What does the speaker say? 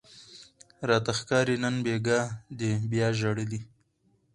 راته ښکاري نن بیګاه دې بیا ژړلي